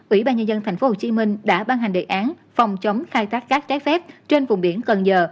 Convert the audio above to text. ủy ban nhân dân tp hcm đã ban hành đề án phòng chống khai thác cát trái phép trên vùng biển cần giờ